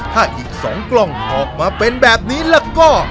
ถ้าอีก๒กล้องออกมาเป็นแบบนี้แล้วก็